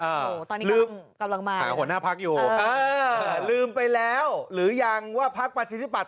โอ้ตอนนี้กำลังใกล้ใกล้